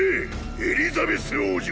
エリザベス王女！